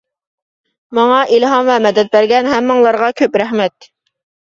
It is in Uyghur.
ماڭا ئىلھام ۋە مەدەت بەرگەن ھەممىڭلارغا كۆپ رەھمەت.